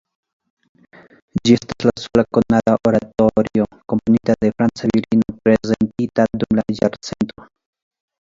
Ĝi estas la sola konata oratorio komponita de franca virino prezentita dum la jarcento.